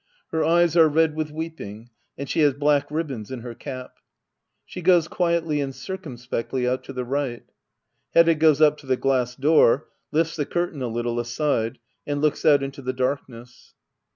Her eves are red with weeping, and she has black ribbons in her cap. She goes quietly andlcircumspectly out to the right. Hbdda goes up to the glass door, lifts the curtain a little aside, and looks out into the darkness.